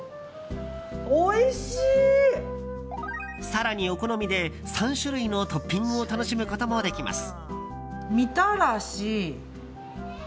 更にお好みで３種類のトッピングを楽しむことができます。